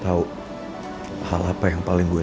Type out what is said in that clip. tapi tetep aja dia ngacangin gue